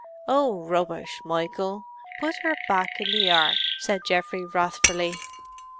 "Oh, rubbish, Michael! put her back in the Ark," said Geoffrey wrathfully.